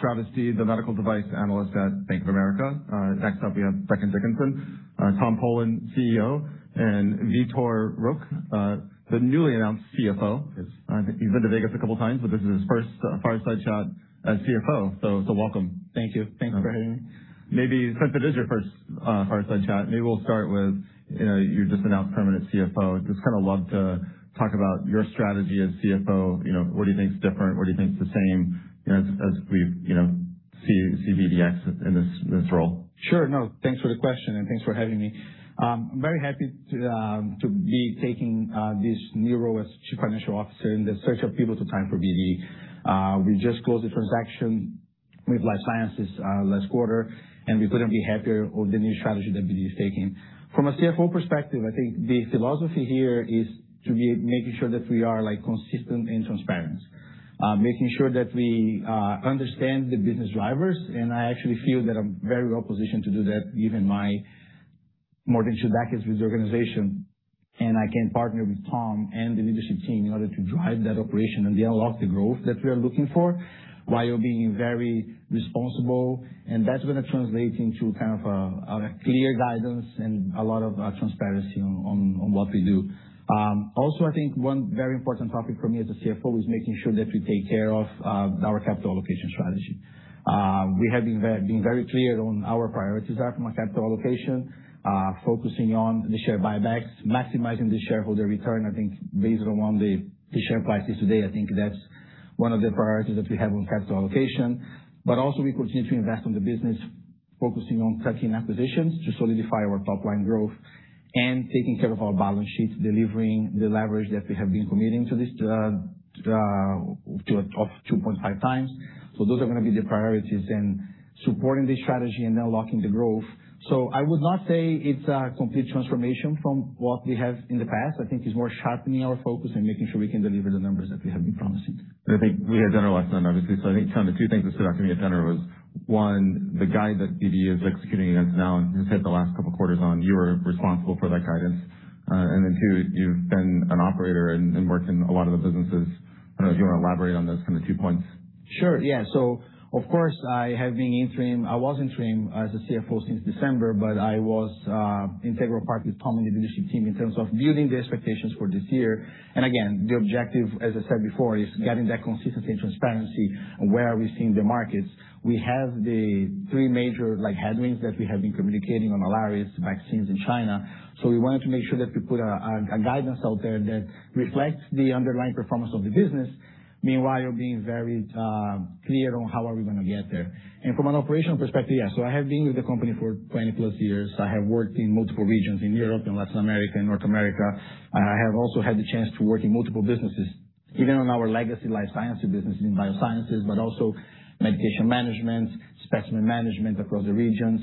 Travis Steed, the medical device analyst at Bank of America. Next up, we have BD, Tom Polen, CEO, and Vitor Roque, the newly announced CFO. I think he's been to Vegas couple times, but this is his first fireside chat as CFO. Welcome. Thank you. Thanks for having me. Maybe since it is your first fireside chat, maybe we'll start with, you know, you're just announced permanent CFO. Just kind of love to talk about your strategy as CFO. You know, what do you think is different? What do you think is the same, you know, as we, you know, see BD in this role? Sure. No, thanks for the question, and thanks for having me. Very happy to be taking this new role as Chief Financial Officer in this crucial pivotal time for BD. We just closed the transaction with Life Sciences last quarter, and we couldn't be happier with the new strategy that BD is taking. From a CFO perspective, I think the philosophy here is to be making sure that we are, like, consistent and transparent. Making sure that we understand the business drivers. I actually feel that I'm very well positioned to do that, given my more than two decades with the organization. I can partner with Tom and the leadership team in order to drive that operation and unlock the growth that we are looking for while being very responsible. That's going to translate into kind of a clear guidance and a lot of transparency on what we do. Also, I think one very important topic for me as a CFO is making sure that we take care of our capital allocation strategy. We have been very clear on our priorities are from a capital allocation, focusing on the share buybacks, maximizing the shareholder return. I think based on the share prices today, I think that's one of the priorities that we have on capital allocation. Also we continue to invest on the business, focusing on tuck-in acquisitions to solidify our top-line growth and taking care of our balance sheets, delivering the leverage that we have been committing to this of 2.5x. Those are gonna be the priorities in supporting this strategy and unlocking the growth. I would not say it's a complete transformation from what we have in the past. I think it's more sharpening our focus and making sure we can deliver the numbers that we have been promising. I think we had dinner last night, obviously. I think, Tom, the two things that stood out to me at dinner was, one, the guide that BD is executing against now and has hit the last couple of quarters on, you were responsible for that guidance. two, you've been an operator and worked in a lot of the businesses. I don't know if you want to elaborate on those kind of two points. Sure. Of course, I have been interim. I was interim as a CFO since December, but I was integral part with Tom Polen and the leadership team in terms of building the expectations for this year. Again, the objective, as I said before, is getting that consistency and transparency on where are we seeing the markets. We have the three major headwinds that we have been communicating on Alaris, vaccines in China. We wanted to make sure that we put a guidance out there that reflects the underlying performance of the business, meanwhile being very clear on how are we gonna get there. From an operational perspective, I have been with the company for 20-plus years. I have worked in multiple regions in Europe and Latin America and North America. I have also had the chance to work in multiple businesses, even on our legacy BD Life Sciences business in biosciences, but also medication management, specimen management across the regions,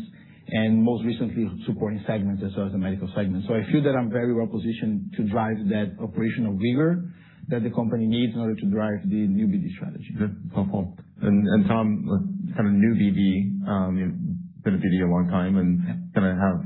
and most recently, supporting segments as well as the medical segment. I feel that I'm very well positioned to drive that operational rigor that the company needs in order to drive the new BD 2025 strategy. Okay. Cool. Tom, kind of new BD, you've been at BD a long time and kind of have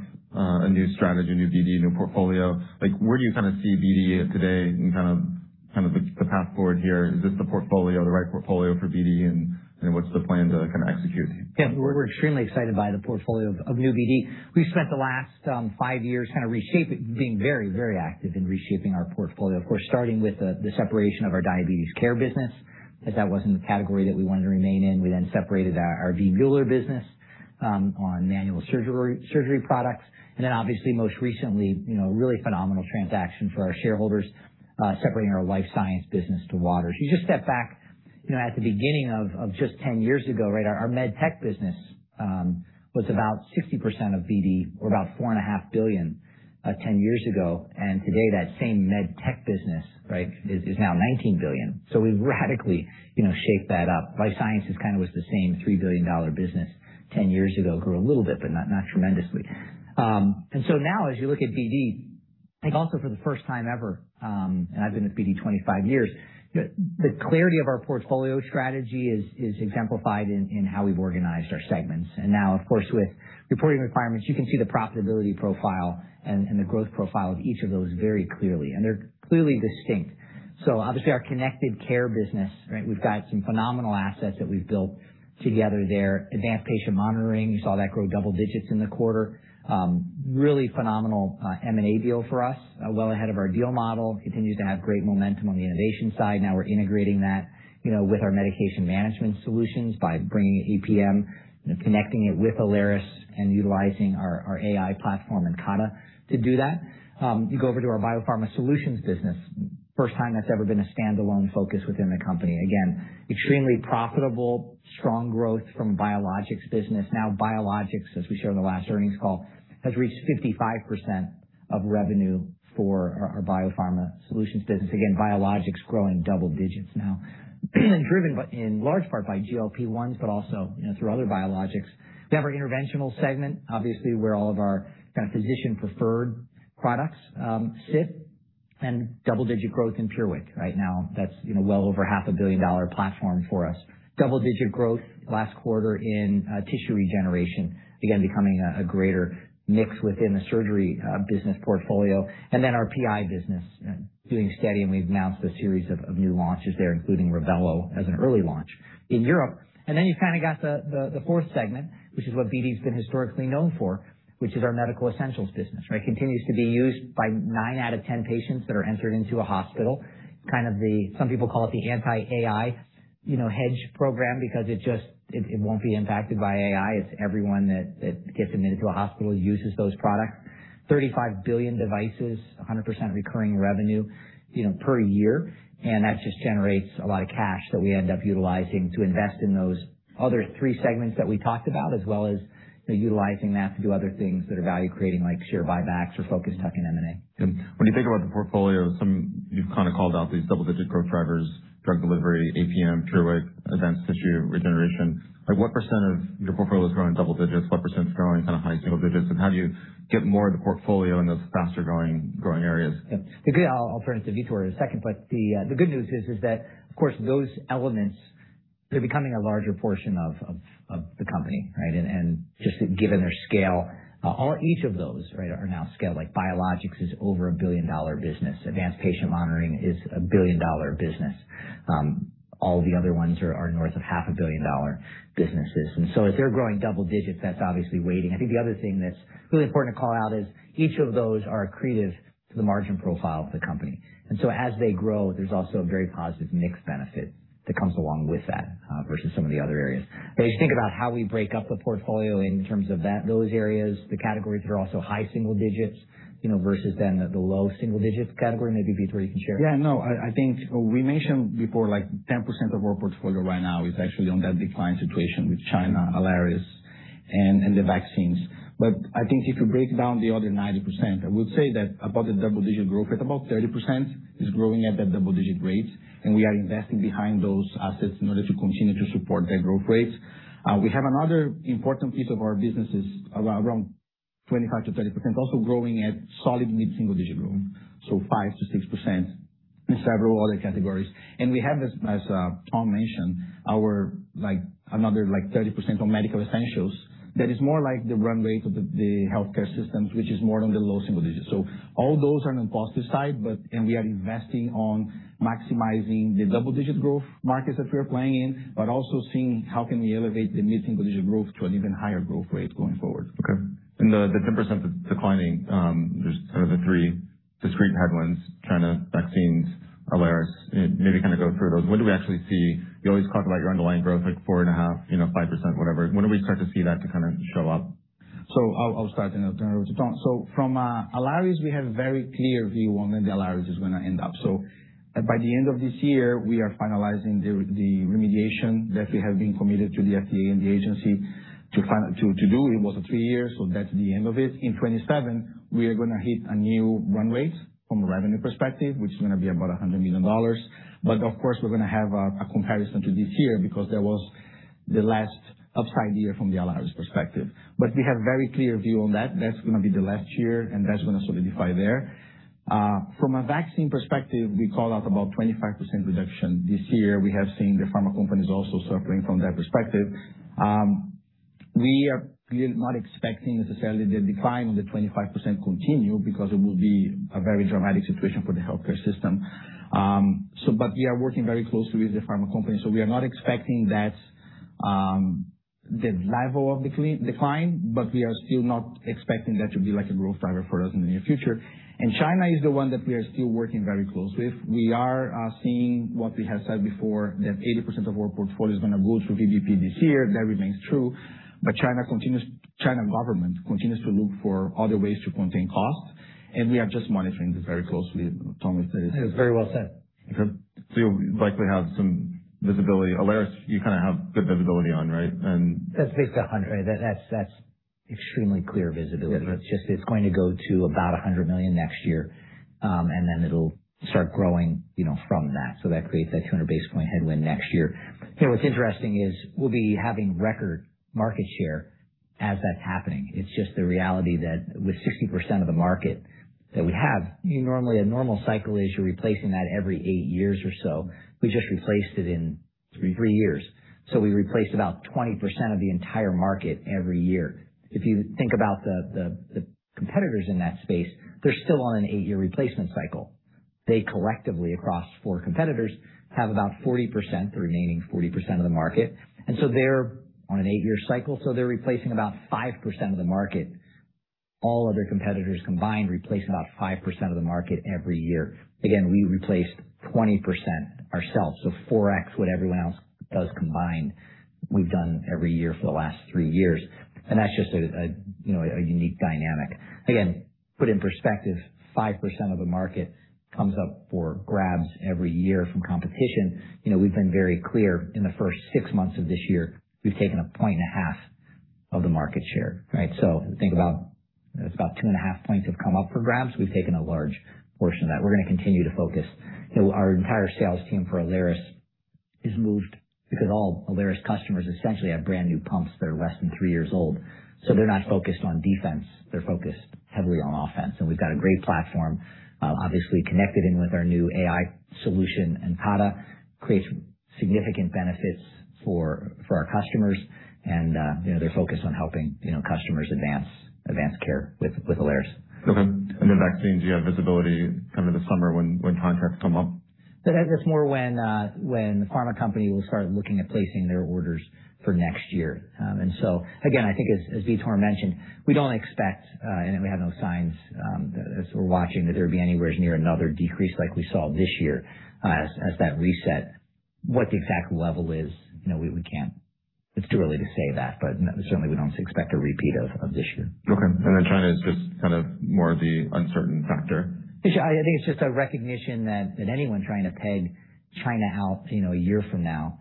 a new strategy, new BD, new portfolio. Like, where do you kind of see BD at today and kind of the path forward here? Is this the portfolio, the right portfolio for BD, and, you know, what's the plan to kind of execute? Yeah. We're extremely excited by the portfolio of new BD. We've spent the last five years being very active in reshaping our portfolio. Of course, starting with the separation of our diabetes care business, as that wasn't the category that we wanted to remain in. We then separated our B. Braun business on manual surgery products. Then obviously most recently, you know, really phenomenal transaction for our shareholders, separating our life science business to Waters. You just step back, you know, at the beginning of just 10 years ago, right? Our med tech business was about 60% of BD or about $4.5 billion 10 years ago. Today, that same med tech business, right, is now $19 billion. We've radically, you know, shaped that up. Life Sciences kind of was the same $3 billion business 10 years ago. Grew a little bit, but not tremendously. Now as you look at BD, I think also for the first time ever, and I've been with BD 25 years, the clarity of our portfolio strategy is exemplified in how we've organized our segments. Now, of course, with reporting requirements, you can see the profitability profile and the growth profile of each of those very clearly, and they're clearly distinct. Obviously, our Connected Care Business, right? We've got some phenomenal assets that we've built together there. Advanced Patient Monitoring, you saw that grow double digits in the quarter. Really phenomenal M&A deal for us. Well ahead of our deal model. Continues to have great momentum on the innovation side. We're integrating that, you know, with our medication management solutions by bringing in EPM and connecting it with Alaris and utilizing our AI platform, Incada, to do that. You go over to our Biopharma Solutions Business. First time that's ever been a standalone focus within the company. Extremely profitable, strong growth from biologics business. Biologics, as we showed in the last earnings call, has reached 55% of revenue for our Biopharma Solutions Business. Biologics growing double digits now. In large part by GLP-1s, but also, you know, through other biologics. Our Interventional Segment, obviously, where all of our kind of physician-preferred products. Double-digit growth in PureWick. Right now, that's, you know, well over $500 million platform for us. Double-digit growth last quarter in tissue regeneration, again, becoming a greater mix within the surgery business portfolio. Our PI business doing steady, and we've announced a series of new launches there, including Revello as an early launch in Europe. You've kind of got the fourth segment, which is what BD's been historically known for, which is our medical essentials business, right. Continues to be used by nine out of 10 patients that are entered into a hospital. Some people call it the anti-AI, you know, hedge program because it won't be impacted by AI. It's everyone that gets admitted to a hospital uses those products. 35 billion devices, 100% recurring revenue, you know, per year. That just generates a lot of cash that we end up utilizing to invest in those other three segments that we talked about, as well as, you know, utilizing that to do other things that are value creating, like share buybacks or focused tech and M&A. When you think about the portfolio, you've kinda called out these double-digit growth drivers, drug delivery, APM, PureWick, events, tissue regeneration. Like, what percent of your portfolio is growing double digits? What percent is growing kind of high single digits? How do you get more of the portfolio in those faster growing areas? Yeah. I'll turn it to Vitor in a second. The good news is that, of course, those elements, they're becoming a larger portion of the company, right? Just given their scale, each of those, right, are now scaled. Like biologics is over a $1 billion-dollar business. Advanced patient monitoring is a $1 billion-dollar business. All the other ones are north of $500 million businesses. If they're growing double digits, that's obviously weighting. I think the other thing that's really important to call out is each of those are accretive to the margin profile of the company. As they grow, there's also a very positive mix benefit that comes along with that versus some of the other areas. As you think about how we break up the portfolio in terms of that, those areas, the categories that are also high single digits, you know, versus then the low single digits category, maybe, Vitor, you can share. I think we mentioned before, like 10% of our portfolio right now is actually on that decline situation with China, Alaris, and the vaccines. I think if you break down the other 90%, I would say that about the double-digit growth at about 30% is growing at that double-digit rate, and we are investing behind those assets in order to continue to support that growth rate. We have another important piece of our businesses, around 25%-30%, also growing at solid mid-single digit growth, so 5%-6% in several other categories. We have, as Tom mentioned, our like another like 30% on medical essentials. That is more like the runway to the healthcare systems, which is more on the low single digits. All those are on the positive side, and we are investing on maximizing the double-digit growth markets that we are playing in, but also seeing how can we elevate the mid-single digit growth to an even higher growth rate going forward. Okay. The 10% declining, there's kind of the three discrete headwinds, China, vaccines, Alaris. Maybe kinda go through those. You always talk about your underlying growth, like 4.5%, you know, 5%, whatever. When do we start to see that to kinda show up? I'll start and then turn it over to Tom. From Alaris, we have very clear view on where the Alaris is going to end up. By the end of this year, we are finalizing the remediation that we have been committed to the FDA and the agency to do. It was three years, that's the end of it. In 2027, we are going to hit a new run rate from a revenue perspective, which is going to be about $100 million. Of course, we're going to have a comparison to this year because that was the last upside year from the Alaris perspective. We have very clear view on that. That's going to be the last year, and that's going to solidify there. From a vaccine perspective, we call out about 25% reduction this year. We have seen the pharma companies also suffering from that perspective. We are still not expecting necessarily the decline on the 25% continue because it will be a very dramatic situation for the healthcare system. We are working very closely with the pharma company, so we are not expecting that the level of decline, but we are still not expecting that to be like a growth driver for us in the near future. China is the one that we are still working very closely with. We are seeing what we had said before, that 80% of our portfolio is gonna go through VBP this year. That remains true. China government continues to look for other ways to contain costs, we are just monitoring this very closely. Tom. It's very well said. Okay. You'll likely have some visibility. Alaris you kinda have good visibility on, right? That's based on, right. That's extremely clear visibility. Yeah. It's going to go to about $100 million next year, and then it'll start growing, you know, from that. That creates that 200 basis point headwind next year. You know, what's interesting is we'll be having record market share as that's happening. It's just the reality that with 60% of the market that we have, you know, normally a normal cycle is you're replacing that every eight years or so. We just replaced it in three years. We replaced about 20% of the entire market every year. If you think about the competitors in that space, they're still on an eight-year replacement cycle. They collectively, across four competitors, have about 40%, the remaining 40% of the market. They're on an eight-year cycle, they're replacing about 5% of the market. All other competitors combined replace about 5% of the market every year. Again, we replaced 20% ourselves. 4x what everyone else does combined, we've done every year for the last three years. That's just a, you know, a unique dynamic. Again, put in perspective, 5% of the market comes up for grabs every year from competition. You know, we've been very clear. In the first six months of this year, we've taken 1.5 points of the market share. Think about, it's about 2.5 points have come up for grabs. We've taken a large portion of that. We're gonna continue to focus. You know, our entire sales team for Alaris moved because all Alaris customers essentially have brand new pumps that are less than three years old. They're not focused on defense, they're focused heavily on offense. We've got a great platform, obviously connected in with our new AI solution, and PAD creates significant benefits for our customers. You know, they're focused on helping, you know, customers advance care with Alaris. Okay. Vaccines, you have visibility kind of in the summer when contracts come up. That's more when the pharma company will start looking at placing their orders for next year. Again, I think as Vitor mentioned, we don't expect, and we have no signs, as we're watching that there be anywhere near another decrease like we saw this year, as that reset. What the exact level is, you know, it's too early to say that, but certainly we don't expect a repeat of this year. Okay. China is just kind of more the uncertain factor. I think it's just a recognition that anyone trying to peg China out, you know, a year from now,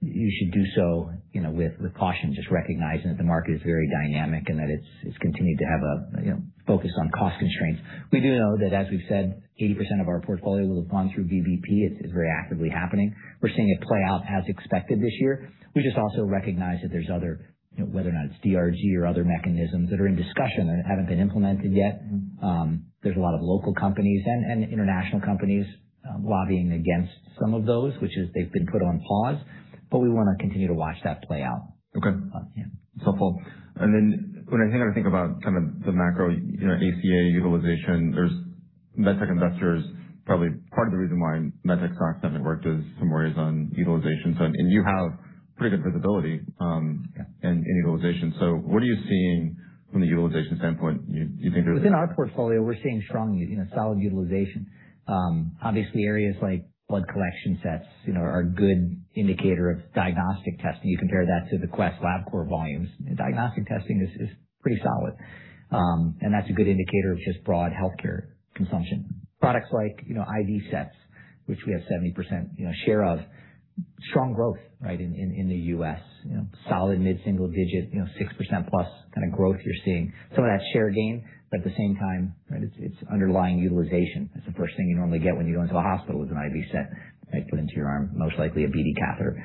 you should do so, you know, with caution. Just recognizing that the market is very dynamic and that it's continued to have a, you know, focus on cost constraints. We do know that, as we've said, 80% of our portfolio will have gone through VBP. It's very actively happening. We're seeing it play out as expected this year. We just also recognize that there's other, you know, whether or not it's DRG or other mechanisms that are in discussion that haven't been implemented yet. There's a lot of local companies and international companies lobbying against some of those, which is they've been put on pause, we want to continue to watch that play out. Okay. Yeah. Full. When I think about kind of the macro, you know, ACA utilization, there's MedTech investors, probably part of the reason why MedTech stocks haven't worked is some worries on utilization side, and you have pretty good visibility. Yeah. -and in utilization. What are you seeing from the utilization standpoint? Within our portfolio, we're seeing strong, you know, solid utilization. Obviously areas like blood collection sets, you know, are a good indicator of diagnostic testing. You compare that to the Quest Labcorp volumes. Diagnostic testing is pretty solid. That's a good indicator of just broad healthcare consumption. Products like, you know, IV sets, which we have 70%, you know, share of strong growth, right, in the U.S. You know, solid mid-single-digit, you know, 6% plus kind of growth you're seeing. Some of that's share gain, at the same time, right, it's underlying utilization. That's the first thing you normally get when you go into a hospital is an IV set, right, put into your arm, most likely a BD catheter.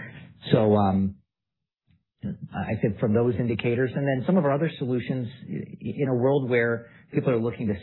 I think from those indicators and then some of our other solutions in a world where people are looking to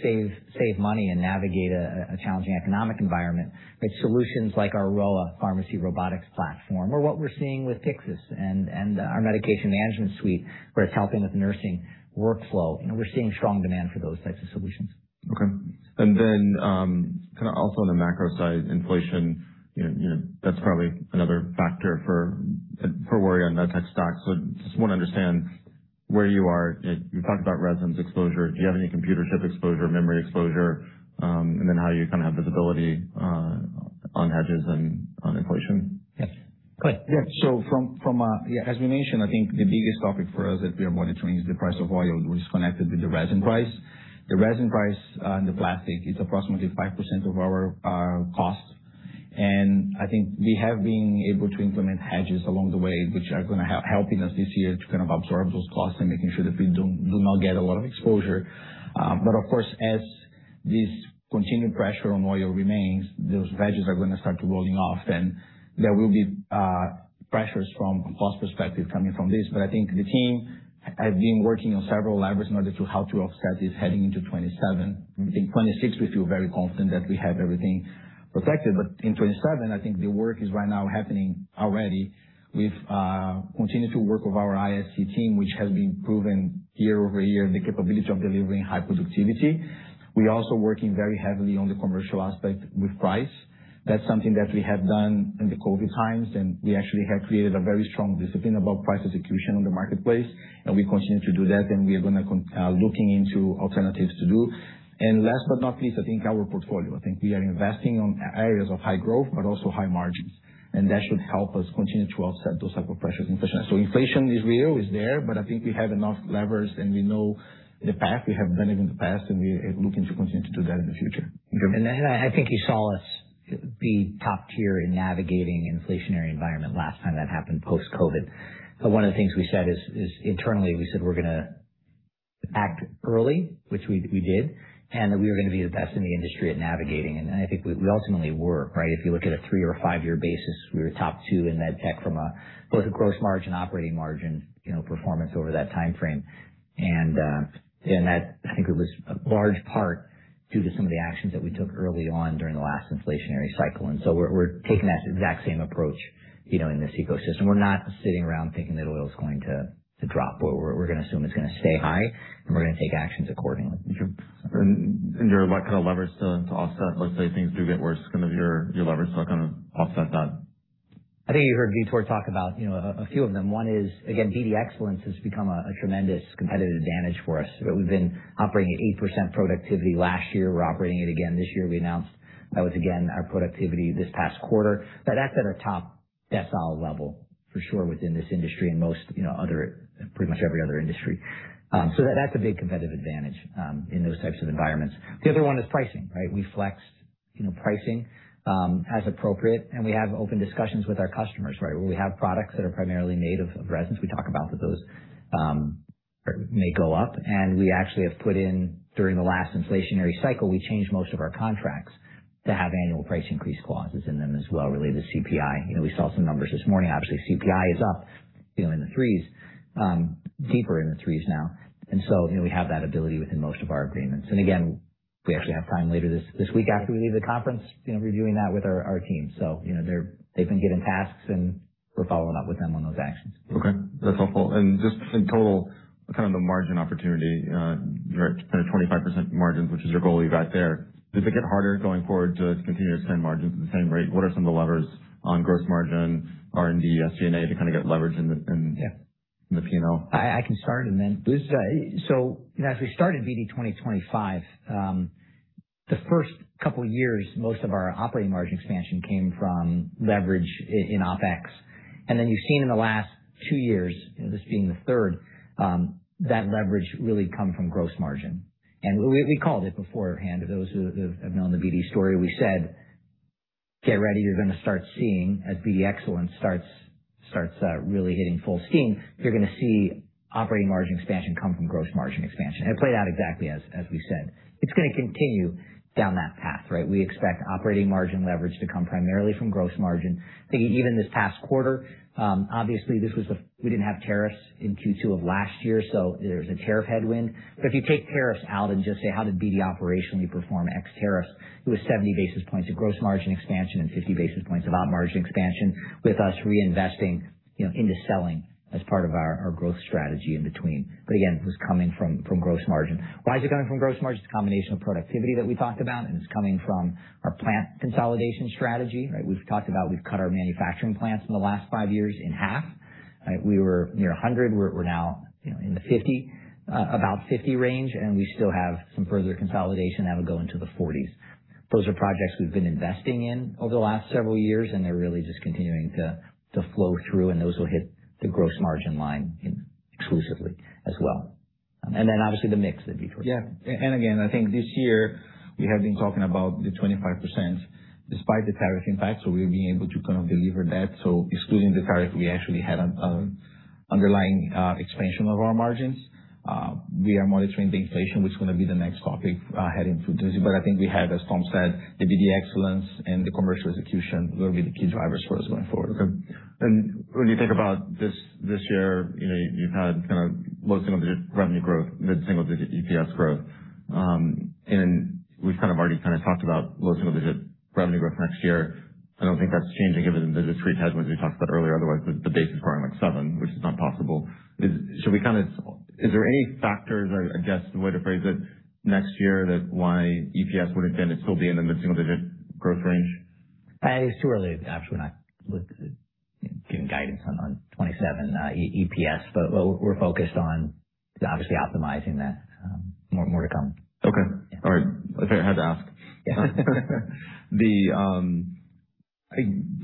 save money and navigate a challenging economic environment, right? Solutions like our Rowa pharmacy robotics platform or what we're seeing with Pyxis and our medication management suite, where it's helping with nursing workflow, you know, we're seeing strong demand for those types of solutions. Okay. kind of also on the macro side, inflation, you know, you know, that's probably another factor for worry on MedTech stocks. Just want to understand where you are. You talked about resins exposure. Do you have any computer chip exposure, memory exposure? how you kind of have visibility on hedges and on inflation? Yes. Go ahead. From a-- As we mentioned, I think the biggest topic for us that we are monitoring is the price of oil, which is connected with the resin price. The resin price, and the plastic, it's approximately 5% of our costs. I think we have been able to implement hedges along the way, which are gonna helping us this year to kind of absorb those costs and making sure that we do not get a lot of exposure. Of course, as this continued pressure on oil remains, those hedges are gonna start rolling off, then there will be pressures from a cost perspective coming from this. I think the team have been working on several levers in order to how to offset this heading into 2027. I think 2026 we feel very confident that we have everything protected. In 2027, I think the work is right now happening already with continued to work with our ISC team, which has been proven year-over-year, the capability of delivering high productivity. We're also working very heavily on the commercial aspect with price. That's something that we have done in the COVID times, and we actually have created a very strong discipline about price execution on the marketplace, and we continue to do that, and we are gonna looking into alternatives to do. Last but not least, I think our portfolio. I think we are investing on areas of high growth but also high margins, and that should help us continue to offset those type of pressures, inflation. Inflation is real, is there, but I think we have enough levers, and we know the path. We have done it in the past, and we're looking to continue to do that in the future. Okay. I think you saw us be top tier in navigating an inflationary environment last time that happened post-COVID. One of the things we said is internally, we said we're gonna act early, which we did, and that we were gonna be the best in the industry at navigating. I think we ultimately were, right? If you look at a three or a five-year basis, we were top two in med tech from both a gross margin, operating margin, you know, performance over that timeframe. That I think it was a large part due to some of the actions that we took early on during the last inflationary cycle. We're taking that exact same approach, you know, in this ecosystem. We're not sitting around thinking that oil is going to drop or we're gonna assume it's gonna stay high, and we're gonna take actions accordingly. Okay. There are what kind of levers to offset, let's say things do get worse, kind of your levers to kind of offset that? I think you heard Vitor talk about, you know, a few of them. One is, again, BD Excellence has become a tremendous competitive advantage for us. We've been operating at 8% productivity last year. We're operating it again this year. We announced that was again our productivity this past quarter. That's at our top decile level for sure within this industry and most, you know, other, pretty much every other industry. That's a big competitive advantage in those types of environments. The other one is pricing, right? We flex, you know, pricing as appropriate, and we have open discussions with our customers, right? Where we have products that are primarily made of resins. We talk about those. May go up. We actually have put in during the last inflationary cycle, we changed most of our contracts to have annual price increase clauses in them as well related to CPI. You know, we saw some numbers this morning. Obviously, CPI is up, you know, in the 3's, deeper in the 3's now. You know, we have that ability within most of our agreements. Again, we actually have time later this week after we leave the conference, you know, reviewing that with our team. You know, they've been given tasks, and we're following up with them on those actions. Okay, that's helpful. Just in total, kind of the margin opportunity, you're at kind of 25% margins, which is your goal. You got there. Does it get harder going forward to continue to extend margins at the same rate? What are some of the levers on gross margin, R&D, SG&A to kind of get leverage? Yeah. In the P&L? I can start. Please. As we started BD 2025, the first couple years, most of our operating margin expansion came from leverage in OpEx. Then you've seen in the last two years, this being the third, that leverage really come from gross margin. We called it beforehand. Those who have known the BD story, we said, "Get ready. You're gonna start seeing as BD Excellence starts really hitting full steam. You're gonna see operating margin expansion come from gross margin expansion." It played out exactly as we said. It's gonna continue down that path, right? We expect operating margin leverage to come primarily from gross margin. I think even this past quarter, obviously this was we didn't have tariffs in Q2 of last year, so there's a tariff headwind. If you take tariffs out and just say, "How did BD operationally perform ex tariffs?" It was 70 basis points of gross margin expansion and 50 basis points of op margin expansion with us reinvesting, you know, into selling as part of our growth strategy in between. Again, it was coming from gross margin. Why is it coming from gross margin? It's a combination of productivity that we talked about, and it's coming from our plant consolidation strategy, right? We've talked about we've cut our manufacturing plants in the last five years in half, right? We were near 100. We're now, you know, in the 50, about 50 range, and we still have some further consolidation that would go into the 40s. Those are projects we've been investing in over the last several years, and they're really just continuing to flow through, and those will hit the gross margin line in exclusively as well. Then obviously the mix that you touched on. Yeah. Again, I think this year we have been talking about the 25% despite the tariff impact. We're being able to kind of deliver that. Excluding the tariff, we actually had an underlying expansion of our margins. We are monitoring the inflation, which is gonna be the next topic, heading into Tuesday. I think we have, as Tom said, the BD Excellence and the commercial execution will be the key drivers for us going forward. When you think about this year, you know, you've had kind of low single-digit revenue growth, mid-single digit EPS growth. We've kind of already talked about low single-digit revenue growth next year. I don't think that's changing given the discrete headwinds we talked about earlier. Otherwise, the base is growing like 7%, which is not possible. Is there any factors or I guess the way to phrase it next year that why EPS would again still be in the mid-single digit growth range? It's too early. Obviously, we're not giving guidance on 27, EPS, but what we're focused on is obviously optimizing that. More to come. Okay. Yeah. All right. I had to ask. Yeah. The,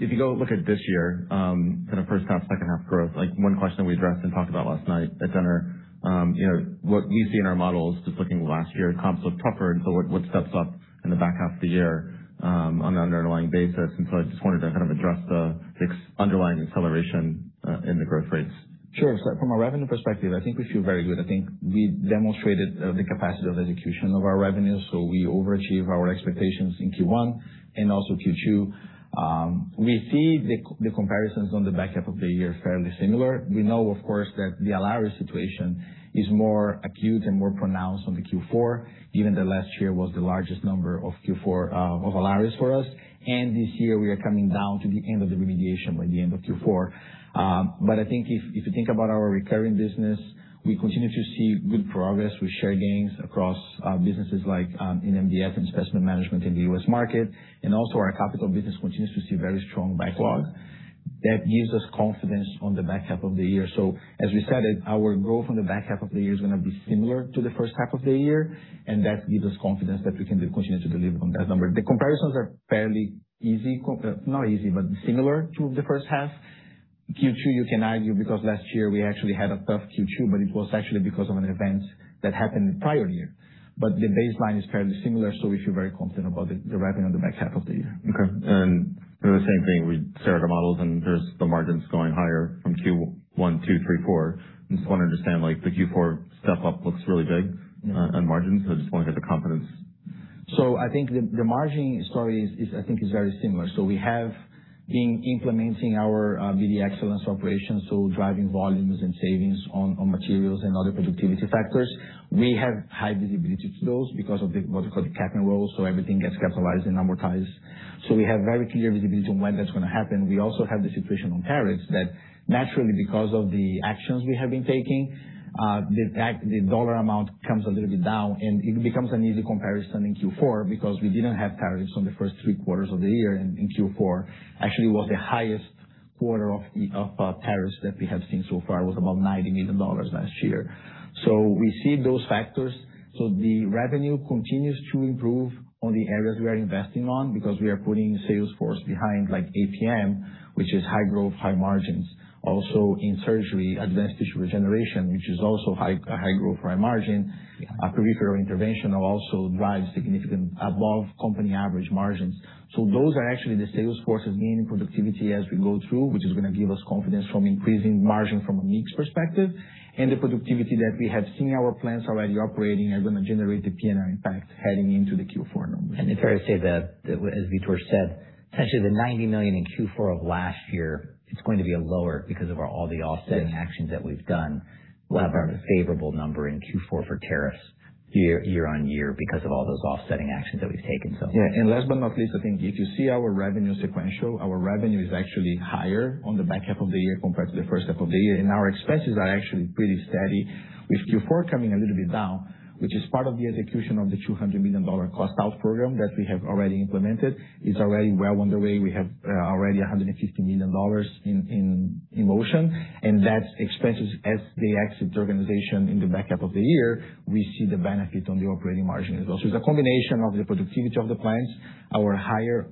if you go look at this year, kind of first half, second half growth, like one question we addressed and talked about last night at dinner, you know, what you see in our models, just looking last year comps looked tougher until wood steps up in the back half of the year, on an underlying basis. I just wanted to kind of address the underlying acceleration in the growth rates. Sure. From a revenue perspective, I think we feel very good. I think we demonstrated the capacity of execution of our revenue. We overachieve our expectations in Q1 and also Q2. We see the comparisons on the back half of the year fairly similar. We know, of course, that the Alaris situation is more acute and more pronounced on the Q4, given that last year was the largest number of Q4 of Alaris for us. This year we are coming down to the end of the remediation by the end of Q4. I think if you think about our recurring business, we continue to see good progress. We share gains across businesses like in MDS and specimen management in the U.S. market. Also our capital business continues to see very strong backlog. That gives us confidence on the back half of the year. As we said, our growth on the back half of the year is going to be similar to the first half of the year, and that gives us confidence that we can continue to deliver on that number. The comparisons are fairly easy, not easy, but similar to the first half. Q2, you can argue, because last year we actually had a tough Q2, but it was actually because of an event that happened the prior year. The baseline is fairly similar, so we feel very confident about the revenue on the back half of the year. Okay. The same thing, we stare at our models and there's the margins going higher from Q1, Q2, Q3, Q4. I just wanna understand, like the Q4 step up looks really big. On margins. I just want to get the confidence. I think the margin story is very similar. We have been implementing our BD Excellence operations, so driving volumes and savings on materials and other productivity factors. We have high visibility to those because of the what we call the cap and roll, so everything gets capitalized and amortized. We have very clear visibility on when that's gonna happen. We also have the situation on tariffs that naturally because of the actions we have been taking, the dollar amount comes a little bit down and it becomes an easy comparison in Q4 because we didn't have tariffs on the first three quarters of the year. In Q4 actually was the highest quarter of tariffs that we have seen so far, was about $90 million last year. We see those factors. The revenue continues to improve on the areas we are investing on because we are putting sales force behind like APM, which is high growth, high margins. Also in surgery, advanced tissue regeneration, which is also high growth, high margin. Yeah. Peripheral interventional also drives significant above company average margins. Those are actually the sales forces gaining productivity as we go through, which is gonna give us confidence from increasing margin from a mix perspective and the productivity that we have seen our plants already operating are gonna generate the P&L impact heading into the Q4 numbers. It's fair to say that, as Vitor said, essentially the $90 million in Q4 of last year, it's going to be a lower because of all the offsetting. Yes. Actions that we've done. We'll have a favorable number in Q4 for tariffs year-over-year because of all those offsetting actions that we've taken. Yeah. Last but not least, I think if you see our revenue sequential, our revenue is actually higher on the back half of the year compared to the first half of the year. Our expenses are actually pretty steady with Q4 coming a little bit down, which is part of the execution of the $200 million cost out program that we have already implemented. It's already well underway. We have already $150 million in motion, and that's expenses as they exit the organization in the back half of the year. We see the benefit on the operating margin as well. It's a combination of the productivity of the clients, our higher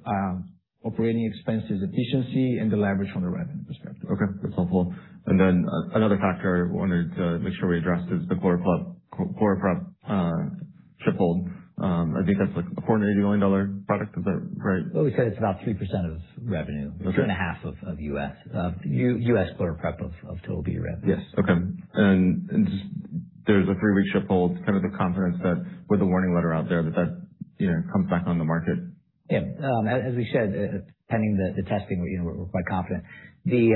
operating expenses, efficiency and the leverage from the revenue perspective. Okay, that's helpful. Another factor I wanted to make sure we addressed is the ChloraPrep triple. I think that's like a $480 million product. Is that right? Well, we said it's about 3% of revenue. Okay. Two and a half of U.S. ChloraPrep of total BD revenue. Yes. Okay. just there's a 3-week ship hold, kind of the confidence that with the warning letter out there that that, you know, comes back on the market. Yeah. As we said, pending the testing, you know, we're quite confident. We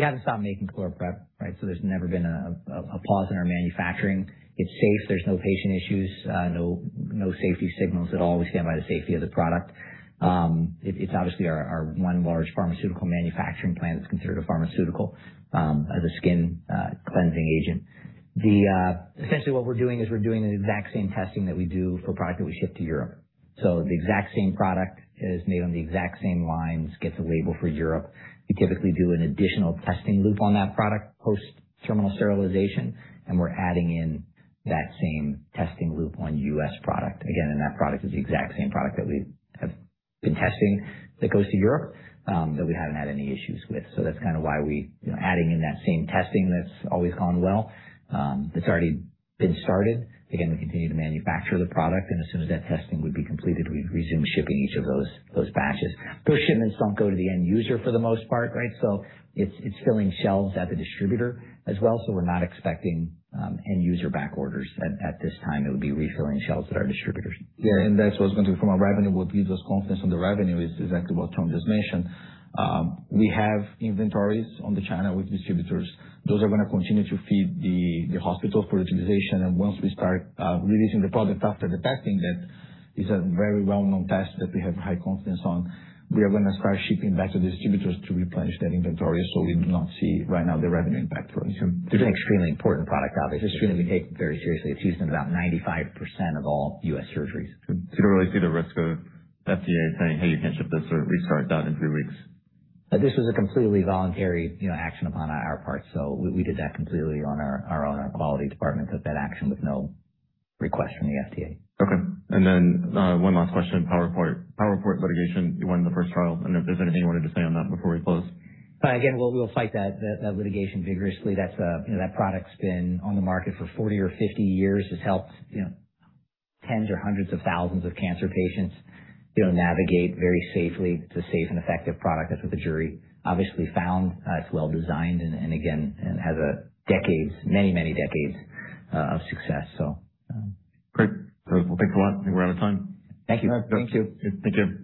haven't stopped making ChloraPrep, right? There's never been a pause in our manufacturing. It's safe. There's no patient issues, no safety signals at all. We stand by the safety of the product. It's obviously our one large pharmaceutical manufacturing plant that's considered a pharmaceutical as a skin cleansing agent. Essentially what we're doing is we're doing the exact same testing that we do for product that we ship to Europe. The exact same product is made on the exact same lines, gets a label for Europe. We typically do an additional testing loop on that product post terminal sterilization, and we're adding in that same testing loop on U.S. product. That product is the exact same product that we have been testing that goes to Europe, that we haven't had any issues with. That's kind of why we, you know, adding in that same testing that's always gone well, it's already been started. We continue to manufacture the product and as soon as that testing would be completed, we'd resume shipping each of those batches. Those shipments don't go to the end user for the most part, right? It's filling shelves at the distributor as well. We're not expecting end user back orders at this time. It would be refilling shelves at our distributors. Yeah. That's what's going to be from our revenue. What gives us confidence on the revenue is exactly what Tom just mentioned. We have inventories on the channel with distributors. Those are gonna continue to feed the hospital for utilization. Once we start releasing the product after the testing, that is a very well-known test that we have high confidence on. We are gonna start shipping back to distributors to replenish that inventory. We do not see right now the revenue impact from it. It's an extremely important product, obviously. We take it very seriously. It's used in about 95% of all U.S. surgeries. Do you see the risk of FDA saying, "Hey, you can't ship this or restart that in three weeks? This was a completely voluntary, you know, action upon our part. We did that completely on our own, our quality department took that action with no request from the FDA. Okay. Then, one last question. PowerPort. PowerPort litigation. You won the first trial. I don't know if there's anything you wanted to say on that before we close. Again, we'll fight that litigation vigorously. That's, you know, that product's been on the market for 40 or 50 years, has helped, you know, tens or hundreds of thousands of cancer patients, you know, navigate very safely. It's a safe and effective product. That's what the jury obviously found. It's well designed and again, and has a decades, many decades of success. Great. Well, thanks a lot. We're out of time. Thank you. Thank you. Thank you.